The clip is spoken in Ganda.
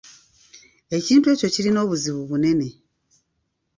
Ekintu ekyo kirina obuzibu bunene.